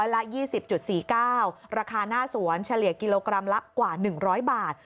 ๑๐๔๙บาทเมตรราคาหน้าสวนเฉลี่ยกิโลกรัม๑๕๐๐บาท